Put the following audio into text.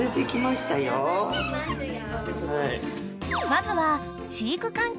［まずは］